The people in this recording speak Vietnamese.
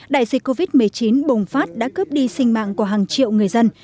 đại dịch covid một mươi chín bùng phát đã cướp đi sinh mạng của hàng triệu người dân